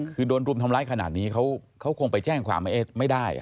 คือโดนรุมทำร้ายขนาดนี้เขาคงไปแจ้งความว่าไม่ได้